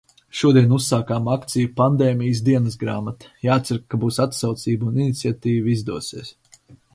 Šodien uzsākām akciju "Pandēmijas dienasgrāmata". Jācer, ka būs atsaucība un iniciatīva izdosies.